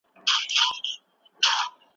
که سامان برابر کړو نو په لاره نه تنګیږو.